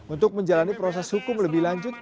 untuk menjalani proses hukum lebih lanjut